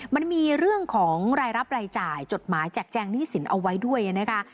มันมีเรื่องของรายรับรายจ่ายจดหมายแจกแจงหนี้สินเอาไว้ด้วยนะคะ